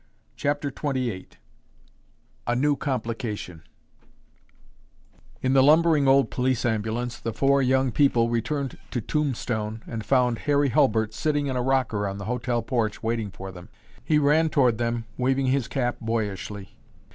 CHAPTER XXVIII A NEW COMPLICATION In the lumbering old police ambulance, the four young people returned to Tombstone and found Harry Hulbert sitting in a rocker on the hotel porch waiting for them. He ran toward them waving his cap boyishly.